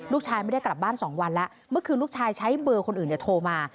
ลูกชายไม่ได้กลับบ้าน๒วันแล้วเมื่อคืนลูกชายใช้เบอร์คนอื่นโทรมา